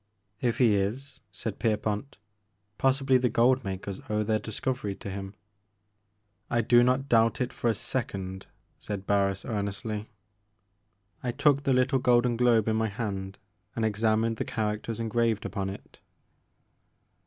If he is," said Kerpont, possibly the gold makers owe their discovery to him." I do not doubt it for a second," said Barris earnestly. I took the little golden globe in my hand, and examined the characters engraved upon it.